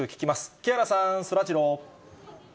木原さん、そらジロー。